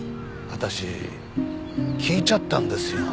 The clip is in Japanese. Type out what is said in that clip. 私聞いちゃったんですよ